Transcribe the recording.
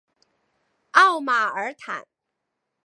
奥马尔坦。